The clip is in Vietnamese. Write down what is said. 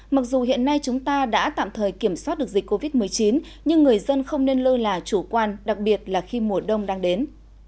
mặc dù hiện nay chúng ta đã tạm thời kiểm soát được dịch covid một mươi chín nhưng người dân không nên lơ là chủ quan đặc biệt là khi mùa đông đang đến